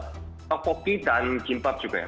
tteokbokki dan kimbab juga ya